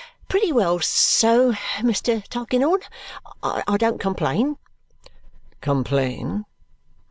"Pretty well so, Mr. Tulkinghorn; I don't complain." "Complain?